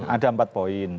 ada empat poin